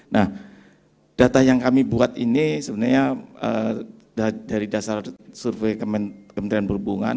nah data yang kami buat ini sebenarnya dari dasar survei kementerian perhubungan